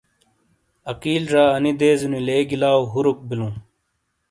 عقیل ڙا انی دیزونی لیگی لاؤ ہروک بیلوں۔